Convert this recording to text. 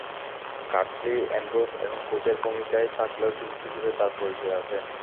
Curtly Ambrose এখন কোচের ভূমিকায় থাকলেও শিল্পী হিসেবে তাঁর পরিচয় আছে।